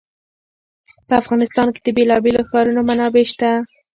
په افغانستان کې د بېلابېلو ښارونو منابع شته.